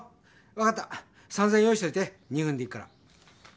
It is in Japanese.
わかった３、０００円用意しといて２分で行くから。